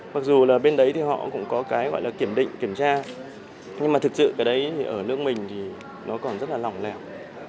mặc dù bên đấy họ cũng có kiểm định kiểm tra nhưng mà thực sự cái đấy ở nước mình thì nó còn rất là lỏng lẻo